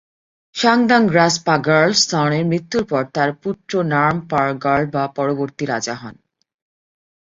ঙ্গাগ-দ্বাং-গ্রাগ্স-পা-র্গ্যাল-ম্ত্শানের মৃত্যুর পর তার পুত্র র্নাম-পার-র্গ্যাল-বা পরবর্তী রাজা হন।